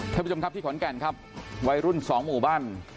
ท่านผู้ชมครับที่ขอนแก่นครับวัยรุ่นสองหมู่บ้าน